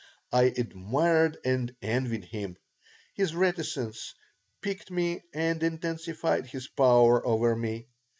I admired and envied him. His reticence piqued me and intensified his power over me.